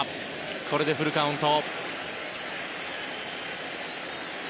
これでフルカウント。